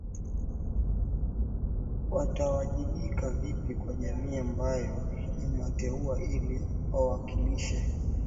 watawajibika vipi kwa jamii ambayo imewateua ili wakawakilishe